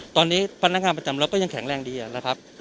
ตอนนี้พนักงานประจำรถก็ยังแข็งแรงดีนะครับ